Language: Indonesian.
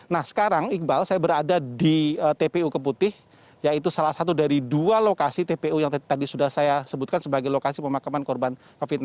nah sekarang iqbal saya berada di tpu keputih yaitu salah satu dari dua lokasi tpu yang tadi sudah saya sebutkan sebagai lokasi pemakaman korban covid sembilan belas